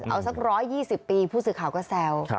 เอาสัก๑๒๐ปีผู้สื่อข่าวก็แซว